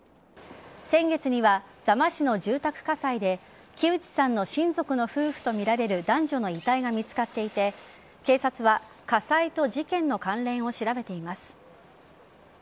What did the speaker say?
先月には、座間市の住宅火災で木内さんの親族の夫婦とみられる男女の遺体が見つかっていて警察は火災と事件の関連を調べています。